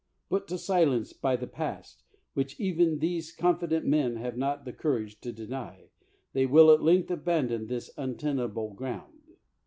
Put to silence by the past, which even these confident men have not the courage to deny, they will at length abandon this untenable ground.